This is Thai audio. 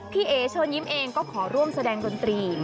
เอ๋เชิญยิ้มเองก็ขอร่วมแสดงดนตรี